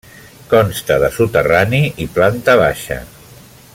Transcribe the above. Consta de soterrani i planta baixa.